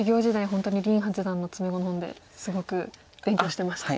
本当に林八段の詰碁の本ですごく勉強してました。